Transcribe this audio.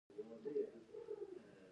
خبریال او خبریالي باید بې طرفه اوسي.